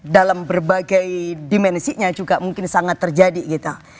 dalam berbagai dimensinya juga mungkin sangat terjadi gitu